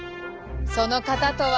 その方とは。